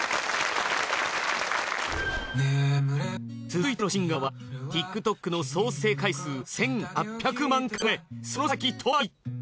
続いてのシンガーはＴｉｋＴｏｋの総再生回数１，８００万回超えソノサキトマリ。